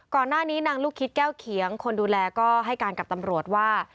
นางลูกคิดแก้วเขียงคนดูแลก็ให้การกับตำรวจว่า